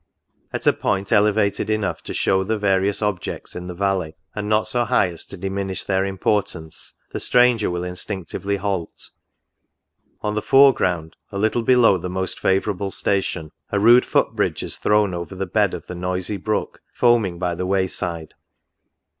At a point elevated enough to shew the various objects in the valley, and not so high as to diminish their importance, the stranger will instinctively halt. On the fore ground, a little below the most favourable station, a rude foot bridge is thrown over the bed of the noisy brook, foaming by the way side.